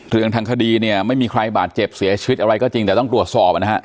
ทางคดีเนี่ยไม่มีใครบาดเจ็บเสียชีวิตอะไรก็จริงแต่ต้องตรวจสอบนะฮะ